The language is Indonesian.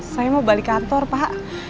saya mau balik kantor pak